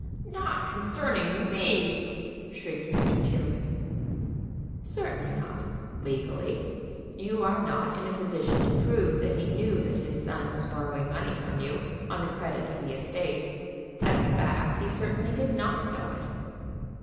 "Not concerning me!" shrieked Mr. Tyrrwhit. "Certainly not, legally. You are not in a position to prove that he knew that his son was borrowing money from you on the credit of the estate. As a fact he certainly did not know it."